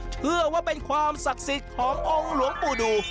เชื่อว่าเป็นความศักดิ์สิทธิ์ขององค์หลวงปู่ดู